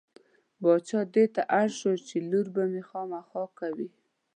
باچا دې ته اړ شو چې لور به مې خامخا کوې.